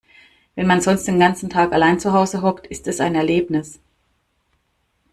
Wenn man sonst den ganzen Tag allein zu Hause hockt, ist es ein Erlebnis.